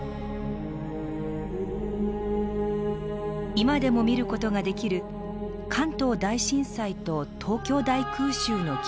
今でも見る事ができる関東大震災と東京大空襲の傷跡。